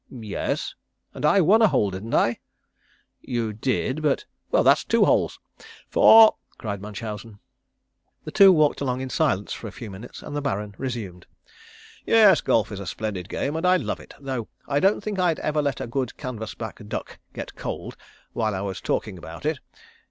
"Yes." "And I won a hole, didn't I?" "You did but " "Well that's two holes. Fore!" cried Munchausen. The two walked along in silence for a few minutes, and the Baron resumed. "Yes, golf is a splendid game and I love it, though I don't think I'd ever let a good canvasback duck get cold while I was talking about it.